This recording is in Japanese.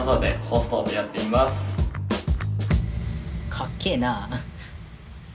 かっけえなあ！